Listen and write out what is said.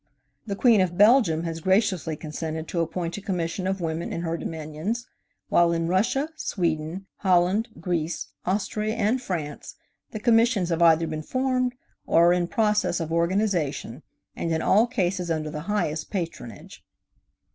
The Queen of Belgium has graciously consented to appoint a commission of women in her dominions; while in Russia, Sweden, Holland, Greece, Austria and France the commissions have either been formed or are in process of organization, and in all cases under the highest patronage.